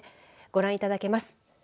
ご覧いただけます。